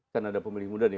kan ada pemilih muda nih